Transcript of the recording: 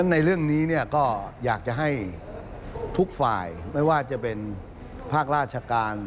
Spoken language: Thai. ในเรื่องนี้ก็อยากจะให้ทุกฝ่ายไม่ว่าจะเป็นภาคราชการ